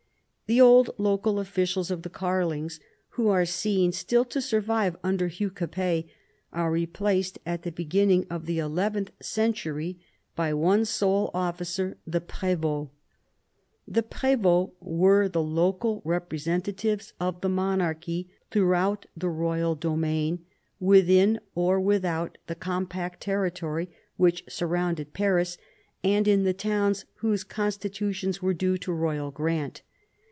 The old local officials of the Karlings, who are seen still to survive under Hugh Capet, are replaced at the beginning of the eleventh century by one sole officer, the jprdvdt. The prSvdts were the local representatives of the monarchy throughout the royal domain, within or with out the compact territory which surrounded Paris, and in the towns whose constitutions were due to royal grant.